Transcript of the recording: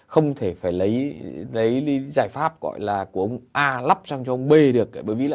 không thể phải lấy giải pháp gọi là của ông a lắp sang cho ông b được